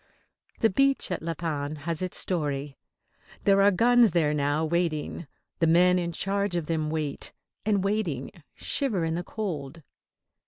The beach at La Panne has its story. There are guns there now, waiting. The men in charge of them wait, and, waiting, shiver in the cold.